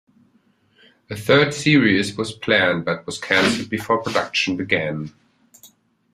A third series was planned, but was cancelled before production began.